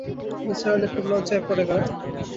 নিসার আলি খুব লজ্জায় পড়ে গেলেন।